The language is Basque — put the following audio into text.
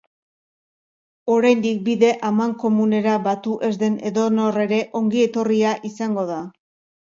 Oraindik bide amankomunera batu ez den edonor ere ongi etorria izango da.